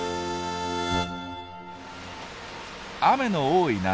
雨の多い夏。